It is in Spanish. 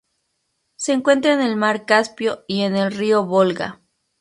Se encuentra en el mar Caspio y en el río Volga.